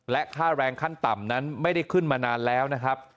และค่าแรงขั้นต่ำนั้นไม่ได้ขึ้นมานานแล้วนะครับ